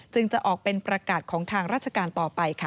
จะออกเป็นประกาศของทางราชการต่อไปค่ะ